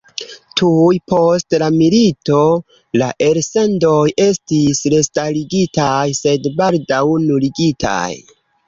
Tuj post la milito la elsendoj estis restarigitaj, sed baldaŭ nuligitaj.